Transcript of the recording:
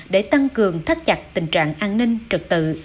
để tăng cường thắt chặt tình trạng an ninh trật tự